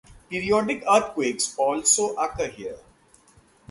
Periodic earthquakes also occur here.